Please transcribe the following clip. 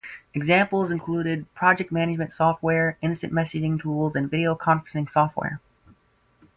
Examples include project management software, instant messaging tools, and video conferencing software.